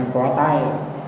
em có tai